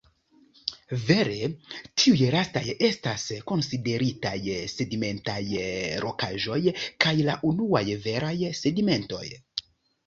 Vere tiuj lastaj estas konsideritaj sedimentaj rokaĵoj kaj la unuaj veraj sedimentoj.